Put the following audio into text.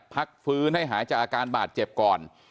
พักฟื้นให้หายจากอาการบาดเจ็บก่อน